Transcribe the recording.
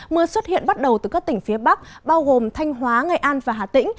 mưa xuất hiện bắt đầu từ các tỉnh phía bắc bao gồm thanh hóa nghệ an và hà tĩnh